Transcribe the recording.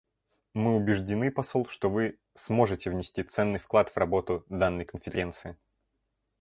Мы убеждены, посол, что Вы сможете внести ценный вклад в работу данной Конференции.